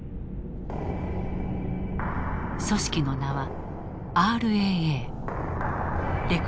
組織の名はＲＡＡ。